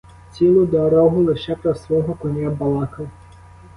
Цілу дорогу лише про свого коня балакав.